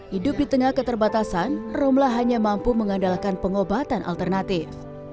hidup di tengah keterbatasan romla hanya mampu mengandalkan pengobatan alternatif